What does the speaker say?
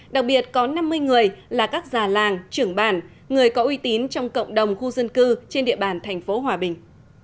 đặc biệt có năm mươi người là các già làng trưởng bản người có uy tín trong cộng đồng khu dân cư trên địa bàn thành phố hòa bình